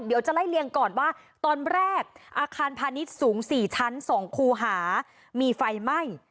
เดี๋ยวจะไล่เลี่ยงก่อนว่าตอนแรกอาคารพาณิชย์สูง๔ชั้น๒คูหามีไฟไหม้